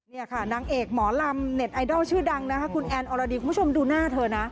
นี่ค่ะนางเอกหมอลำเน็ตไอดอลชื่อดังนะคะคุณแอนอรดีคุณผู้ชมดูหน้าเธอนะ